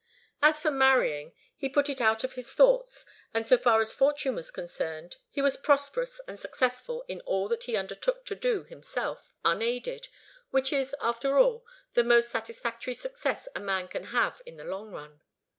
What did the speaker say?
As for marrying, he put it out of his thoughts; and so far as fortune was concerned, he was prosperous and successful in all that he undertook to do himself, unaided, which is, after all, the most satisfactory success a man can have in the long run.